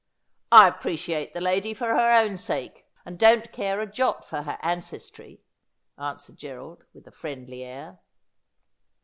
' I appreciate the lady for her own sake, and don't care a jot for her ancestry,' answered Gerald, with a friendly air.